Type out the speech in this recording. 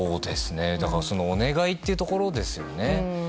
お願いというところですよね。